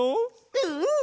うん！